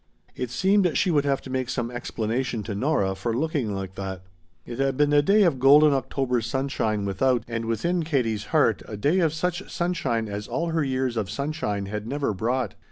It seemed she would have to make some explanation to Nora for looking like that. It had been a day of golden October sunshine without, and within Katie's heart a day of such sunshine as all her years of sunshine had never brought.